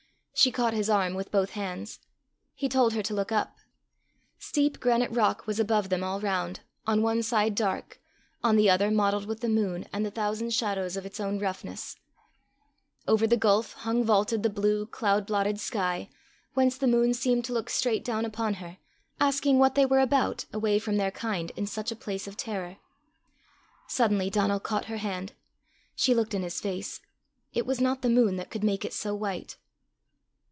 She caught his arm with both hands. He told her to look up. Steep granite rock was above them all round, on one side dark, on the other mottled with the moon and the thousand shadows of its own roughness; over the gulf hung vaulted the blue, cloud blotted sky, whence the moon seemed to look straight down upon her, asking what they were about, away from their kind, in such a place of terror. Suddenly Donal caught her hand. She looked in his face. It was not the moon that could make it so white.